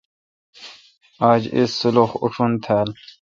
آج اس سخ اوشون تھال۔